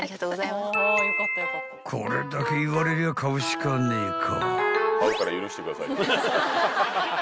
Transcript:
［これだけ言われりゃ買うしかねえか］